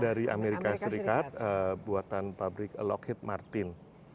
dari amerika serikat buatan pabrik lockheed martin